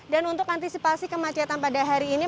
untuk antisipasi kemacetan pada hari ini